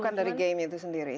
bukan dari game itu sendiri